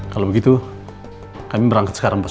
kalau begitu kami berangkat sekarang pak